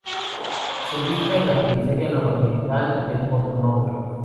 Se ubica en la periferia nororiental de Porto Novo.